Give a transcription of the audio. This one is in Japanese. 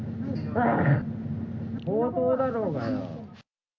強盗だろうがよ。